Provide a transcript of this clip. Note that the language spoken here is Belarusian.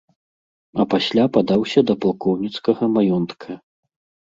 А пасля падаўся да палкоўніцкага маёнтка.